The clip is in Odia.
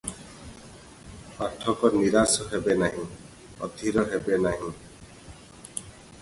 ପାଠକ ନିରାଶ ହେବେ ନାହିଁ, ଅଧିର ହେବେ ନାହିଁ ।